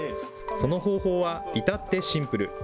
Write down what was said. その方法は、いたってシンプル。